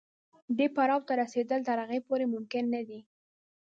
دې پړاو ته رسېدل تر هغې پورې ممکن نه دي.